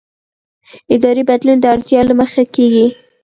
اداري بدلون د اړتیا له مخې کېږي